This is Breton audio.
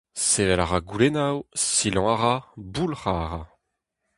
Sevel a ra goulennoù, silañ a ra, boulc'hañ a ra.